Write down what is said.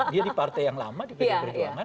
dia di partai yang lama di pdi perjuangan